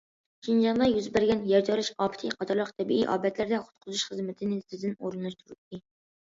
شىنجاڭدا يۈز بەرگەن يەر تەۋرەش ئاپىتى قاتارلىق تەبىئىي ئاپەتلەردە قۇتقۇزۇش خىزمىتىنى تېزدىن ئورۇنلاشتۇردى.